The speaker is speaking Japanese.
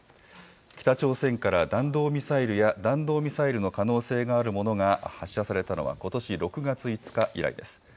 北朝鮮から弾道ミサイルや弾道ミサイルの可能性があるものが発射されたのは、ことし６月５日以来です。